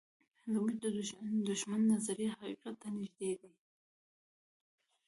زموږ د دښمن نظریې حقیقت ته نږدې دي.